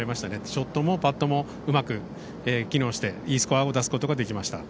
ショットもパットもうまく機能して、いいスコアを出すことができました。